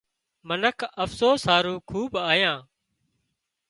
منک افسوس هارو کوٻ آيان